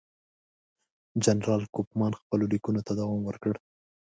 جنرال کوفمان خپلو لیکونو ته دوام ورکړ.